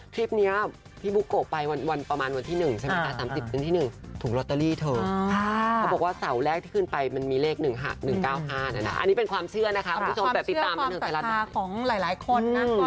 คือใครก็แล้วแต่ที่รักแล้วก็เอ็นดูลูกเรามันลูกคือที่สุดอยู่แล้ว